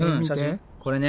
これね。